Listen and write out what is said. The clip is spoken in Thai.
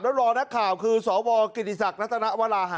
ว่าจะไม่ยกโหวตให้คุณพิธา